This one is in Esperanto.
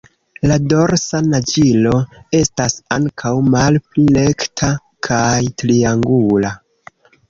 La dorsa naĝilo estas ankaŭ malpli rekta kaj triangula.